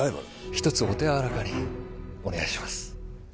一つお手柔らかにお願いします